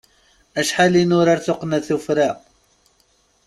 Acḥal i nurar tuqqna tuffra!